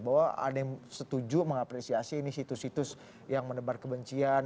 bahwa ada yang setuju mengapresiasi ini situs situs yang menebar kebencian